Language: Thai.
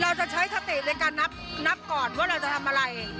เราจะใช้สติในการนับก่อนว่าเราจะทำอะไร